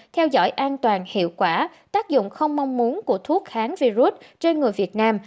theo dõi an toàn hiệu quả tác dụng không mong muốn của thuốc kháng virus trên người việt nam